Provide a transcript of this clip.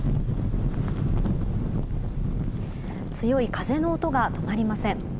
強い風の音が止まりません。